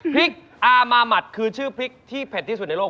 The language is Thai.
พริกอามามัติคือชื่อพริกที่เผ็ดที่สุดในโลก